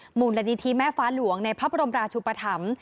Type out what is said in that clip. มูลนิธิแม่ฟ้าหลวงในพระบรมราชุปธรรม